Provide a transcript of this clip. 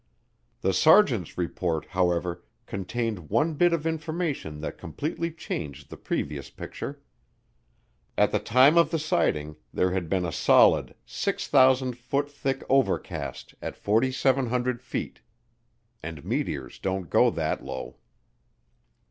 The sergeants' report, however, contained one bit of information that completely changed the previous picture. At the time of the sighting there had been a solid 6,000 foot thick overcast at 4,700 feet. And meteors don't go that low.